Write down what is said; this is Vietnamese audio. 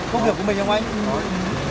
công việc của mình không anh